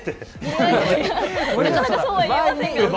なかなかそうは言えませんけど。